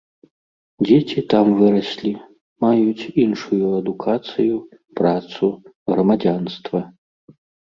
Дзеці там выраслі, маюць іншую адукацыю, працу, грамадзянства.